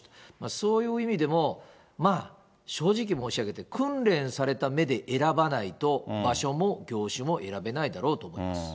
そういう意味でも、まあ、正直申し上げて、訓練された目で選ばないと、場所も業種も選べないだろうと思います。